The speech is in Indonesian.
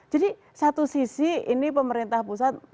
jadi satu sisi ini pemerintah pusat